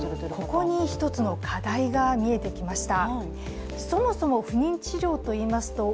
ここに１つの課題が見えてきました。